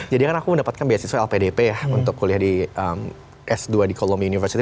jadi kan aku mendapatkan beasiswa lpdp ya untuk kuliah di s dua di columbia university